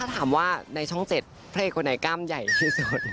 ถ้าถามว่าในช่องเจ็ดเพลงคนไหนกล้ามใหญ่ที่สุด